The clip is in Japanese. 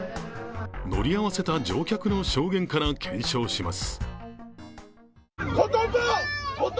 乗り合わせた乗客の証言から検証します。